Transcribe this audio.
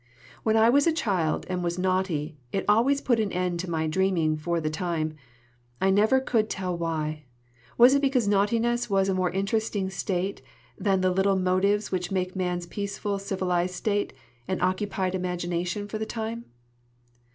"When I was a child and was naughty, it always put an end to my dreaming for the time. I never could tell why. Was it because naughtiness was a more interesting state than the little motives which make man's peaceful civilized state, and occupied imagination for the time?"